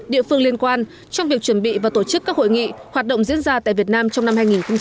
địa phương liên quan trong việc chuẩn bị và tổ chức các hội nghị hoạt động diễn ra tại việt nam trong năm hai nghìn hai mươi